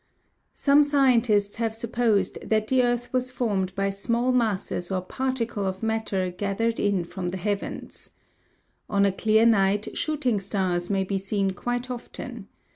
] Some scientists have supposed that the earth was formed by small masses or particles of matter gathered in from the heavens. On a clear night shooting stars may be seen quite often.